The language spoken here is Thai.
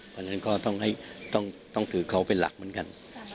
เพราะฉะนั้นก็ต้องถือเขาเป็นหลักเหมือนกัน